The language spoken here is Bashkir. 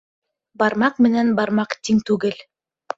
Бармаҡ менән бармаҡ тиң түгел